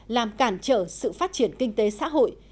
làm cản trở sự phát triển kinh tế xã hội